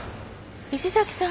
石崎さん！